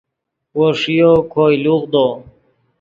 وو ݰیو کوئے لوغدو